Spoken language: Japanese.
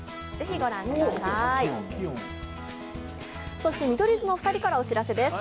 そして見取り図のお二人からお知らせです。